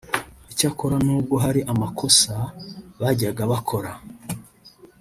Icyakora n’ubwo hari amakosa bajyaga bakora